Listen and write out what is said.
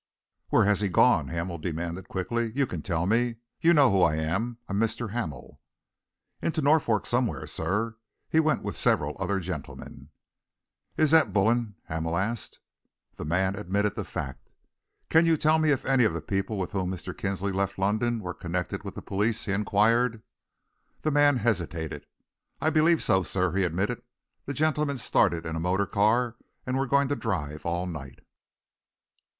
"Where has he gone?" Hamel demanded quickly. "You can tell me. You know who I am; I am Mr. Hamel." "Into Norfolk somewhere, sir. He went with several other gentlemen." "Is that Bullen?" Hamel asked. The man admitted the fact. "Can you tell me if any of the people with whom Mr. Kinsley left London were connected with the police?" he inquired. The man hesitated. "I believe so, sir," he admitted. "The gentlemen started in a motor car and were going to drive all night."